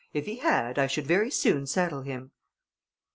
If he had, I should very soon settle him."